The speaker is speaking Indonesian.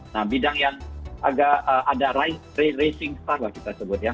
nah bidang yang agak ada ray racing star lah kita sebut ya